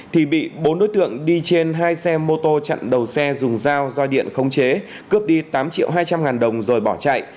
thì bị bốn đối tượng đi trên hai xe mô tô chặn đầu xe dùng dao do điện khống chế cướp đi tám triệu hai trăm linh ngàn đồng rồi bỏ chạy